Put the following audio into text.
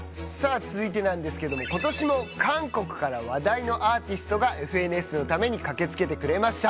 続いてなんですけどことしも韓国から話題のアーティストが『ＦＮＳ』のために駆け付けてくれました。